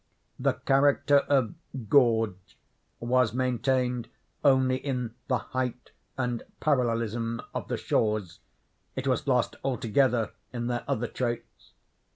The character of gorge was maintained only in the height and parallelism of the shores; it was lost altogether in their other traits.